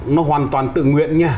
nó hoàn toàn tự nguyện nha